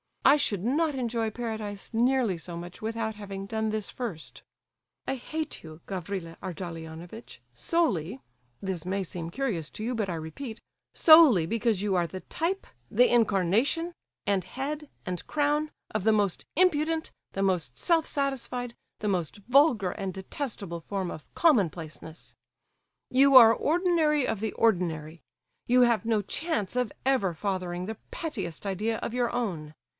I should not enjoy paradise nearly so much without having done this first. I hate you, Gavrila Ardalionovitch, solely (this may seem curious to you, but I repeat)—solely because you are the type, and incarnation, and head, and crown of the most impudent, the most self satisfied, the most vulgar and detestable form of commonplaceness. You are ordinary of the ordinary; you have no chance of ever fathering the pettiest idea of your own.